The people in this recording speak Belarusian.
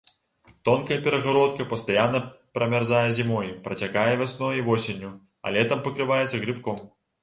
Тонкая перагародка пастаянна прамярзае зімой, працякае вясной і восенню, а летам пакрываецца грыбком.